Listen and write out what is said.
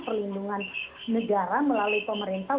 perlindungan negara melalui pemerintah